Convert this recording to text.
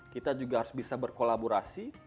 kita juga harus bisa berkolaborasi